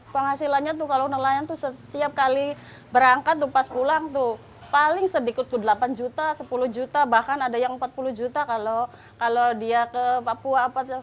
penghasilannya tuh kalau nelayan itu setiap kali berangkat tuh pas pulang tuh paling sedikit tuh delapan juta sepuluh juta bahkan ada yang empat puluh juta kalau dia ke papua